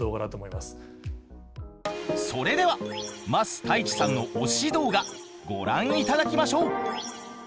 それでは桝太一さんの推し動画ご覧いただきましょう！